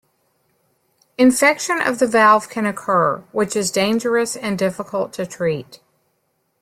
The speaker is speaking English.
Infection of the valve can occur, which is dangerous and difficult to treat.